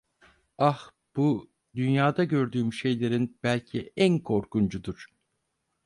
Ah, bu, dünyada gördüğüm şeylerin belki en korkuncudur.